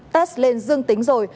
test lên dương tính rồi